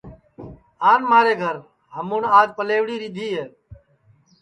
آن مھارے گھر ہمُون آج پلیوڑی ریدھی ہے